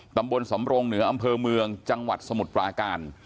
ตำบลสำรงเหนืออำเภอเมืองจังหวัดสมุทรปราการ